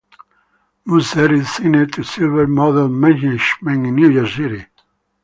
Musser is signed to Silver Model Management in New York City.